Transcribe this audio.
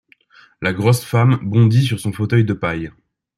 La grosse femme bondit sur son fauteuil de paille.